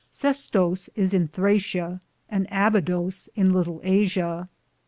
Sestose is in Thracia, and Abidose in Litle Asia.